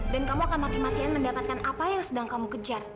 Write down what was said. dan kamu akan mati matian mendapatkan apa yang sedang kamu kejar